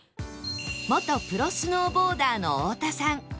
元プロスノーボーダーの太田さん